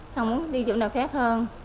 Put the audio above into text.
không muốn đi chỗ nào khác hơn